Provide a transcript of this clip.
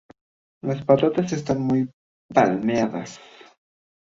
Las patas están muy palmeadas.